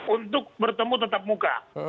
untuk bertemu tetap muka